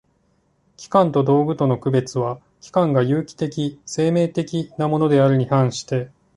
器官と道具との区別は、器官が有機的（生命的）なものであるに反して